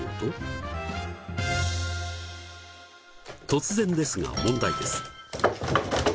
突然ですが問題です。